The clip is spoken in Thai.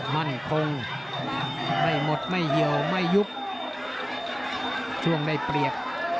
มั่นคงไม่หมดไม่เหี่ยวไม่ยุบช่วงได้เปรียบ